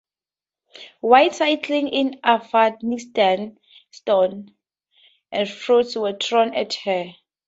While cycling in Afghanistan stones and fruit were thrown at her.